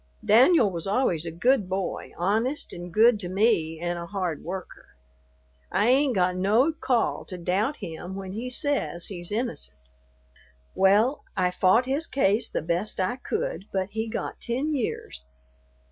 Danyul was always a good boy, honest and good to me and a hard worker. I ain't got no call to doubt him when he says he's innocent. "Well, I fought his case the best I could, but he got ten years.